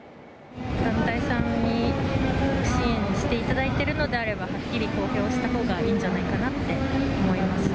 団体さんに支援をしていただいているのであれば、はっきり公表したほうがいいんじゃないかなって思います。